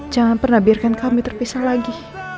jangan pernah biarkan kami terpisah lagi